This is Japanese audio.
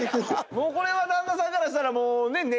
もうこれは旦那さんからしたらもうね